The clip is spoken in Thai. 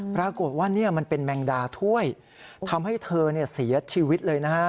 ปรากฏว่านี่มันเป็นแมงดาถ้วยทำให้เธอเสียชีวิตเลยนะฮะ